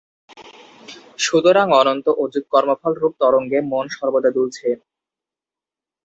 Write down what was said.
সুতরাং অনন্ত অযুত কর্মফলরূপ তরঙ্গে মন সর্বদা দুলছে।